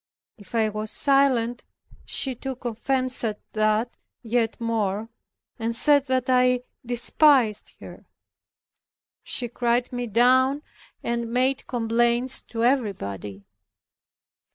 If I was silent, she took offence at that yet more, and said that I despised her. She cried me down, and made complaints to everybody.